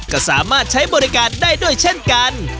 ก็สามารถใช้บริการได้ด้วยเช่นกัน